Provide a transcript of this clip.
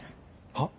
はっ？